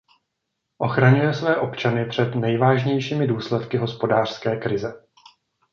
Ochraňuje své občany před nejvážnějšími důsledky hospodářské krize.